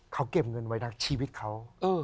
เขาเก็บเงินไว้นะชีวิตเขา